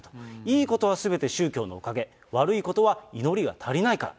いいことはすべて宗教のおかげ、悪いことは祈りが足りないから。